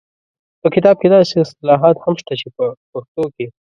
په کتاب کې داسې اصطلاحات هم شته چې په پښتو کې